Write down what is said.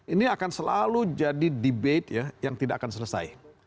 ini akan selalu jadi debate yang tidak akan selesai